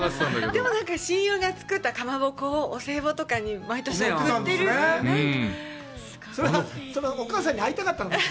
でも、なんか、親友が作ったかまぼこをお歳暮として、毎年送っているという。